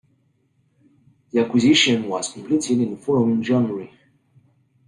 The acquisition was completed in the following January.